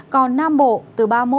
còn nam bộ từ ba mươi một ba mươi bốn độ